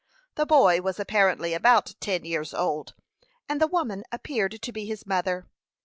The boy was apparently about ten years old, and the woman appeared to be his mother.